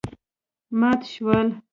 مات شول.